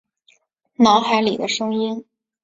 脑海里的声音